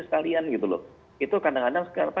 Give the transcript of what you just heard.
sekalian gitu loh itu kadang kadang